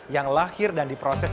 yang lahir dan diproses